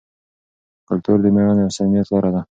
کلتور د مېړانې او صمیمیت لاره ده.